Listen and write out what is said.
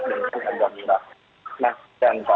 dengan harga murah nah